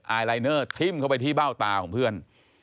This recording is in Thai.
ลายเนอร์ทิ้มเข้าไปที่เบ้าตาของเพื่อน